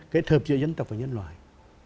kể thợp giữa dân tộc và nhân loại